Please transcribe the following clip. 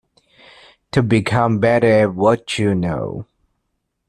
To become better at what you know.